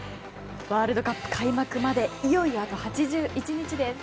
ワールドカップ開幕までいよいよあと８１日です！